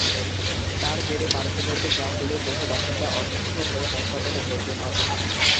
তার জেরে পার্শ্ববর্তী গ্রামগুলির বহু বাসিন্দা অসুস্থ হয়ে হাসপাতালে ভর্তি হন।